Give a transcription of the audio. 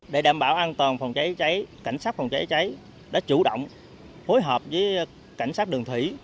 để đảm bảo an toàn phòng cháy cháy cảnh sát phòng cháy cháy đã chủ động phối hợp với cảnh sát đường thủy